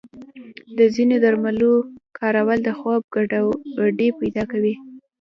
د ځینو درملو کارول د خوب ګډوډي پیدا کوي.